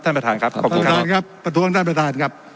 ท่านประทานครับครับผมครับครับประท้วงท่านประทานครับ